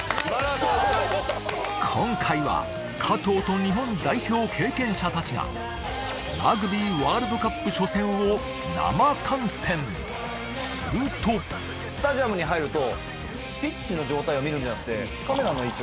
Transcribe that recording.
今回は加藤と日本代表経験者たちがラグビーワールドカップ初戦をするとスタジアムに入ると。